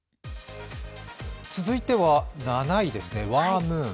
続いては７位です、ワームムーン。